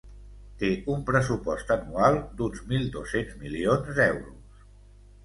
Té un pressupost anual d'uns mil dos-cents milions d'euros.